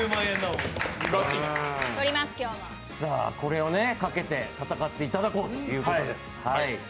これを賭けて戦っていただこうということです。